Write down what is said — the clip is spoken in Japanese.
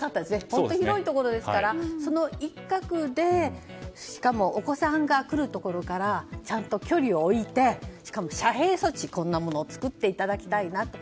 本当に広いところですからその一角でしかもお子さんが来るところからちゃんと距離を置いてしかも遮へい措置を作っていただきたいなと。